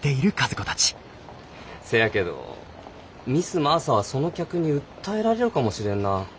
せやけどミス・マーサはその客に訴えられるかもしれんなあ。